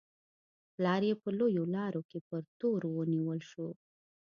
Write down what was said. پلار یې په لویو لارو کې په تور ونیول شو.